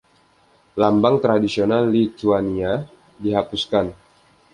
Lambang tradisional Lithuania dihapuskan.